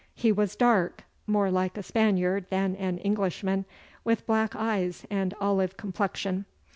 He was dark, more like a Spaniard than an Englishman, with black eyes and olive complexion.